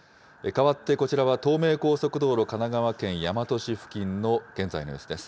かわってこちらは東名高速道路、神奈川県大和市付近の現在の様子です。